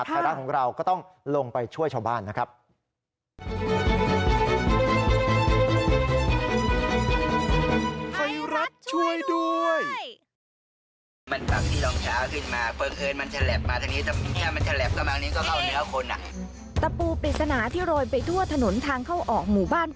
ไทยรัฐของเราก็ต้องลงไปช่วยชาวบ้านนะครับ